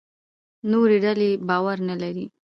نورې ډلې باور نه لري.